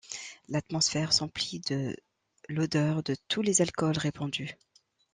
L’atmosphère s’emplit de l’odeur de tous les alcools répandus.